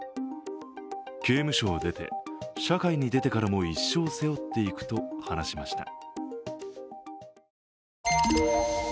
刑務所を出て社会に出てからも一生背負っていくと話しました。